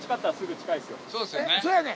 そやねん。